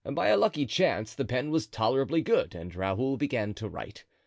By a lucky chance the pen was tolerably good and Raoul began to write.